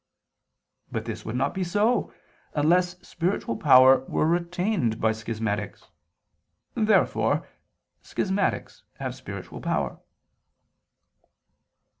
But this would not be so, unless spiritual power were retained by schismatics. Therefore schismatics have spiritual power.